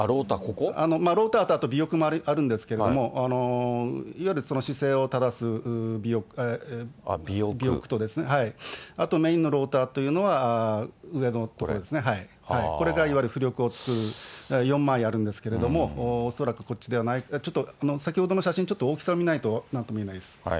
ローターと、あと尾翼もあるんですけれども、いわゆる姿勢を正す尾翼と、あと、メインのローターというのは上のとこですね、これがいわゆる浮力を作る、４枚あるんですけれども、恐らくこっちではないかと、先ほどの写真、ちょっと大きさ見ないと、なんとも言えないです。